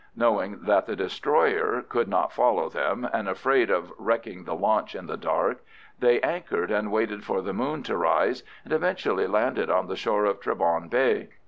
Knowing that the destroyer could not follow them, and afraid of wrecking the launch in the dark, they anchored and waited for the moon to rise, and eventually landed on the shore of Trabawn Bay.